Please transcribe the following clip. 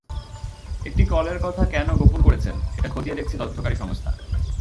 একটি কলের কথা কেন গোপন করেছেন, সেটা খতিয়ে দেখছে তদন্তকারী সংস্থা।